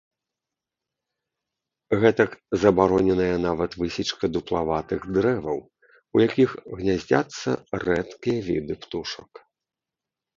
Гэтак, забароненая нават высечка дуплаватых дрэваў, у якіх гняздзяцца рэдкія віды птушак.